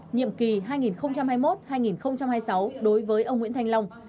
nhiệm kỳ hai nghìn hai mươi một hai nghìn hai mươi sáu đối với ông nguyễn thanh long